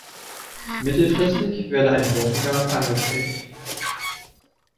Mittelfristig werde ein Börsengang angestrebt.